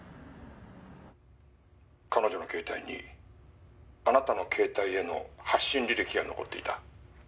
「彼女の携帯にあなたの携帯への発信履歴が残っていた」